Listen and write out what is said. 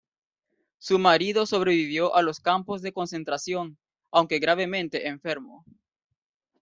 Su marido sobrevivió a los campos de concentración, aunque gravemente enfermo.